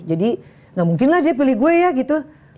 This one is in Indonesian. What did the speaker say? jadi nggak mungkin lah dia pilih gue ya gitu